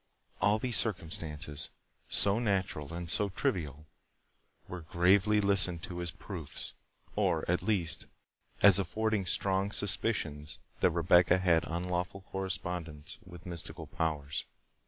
All these circumstances, so natural and so trivial, were gravely listened to as proofs, or, at least, as affording strong suspicions that Rebecca had unlawful correspondence with mystical powers.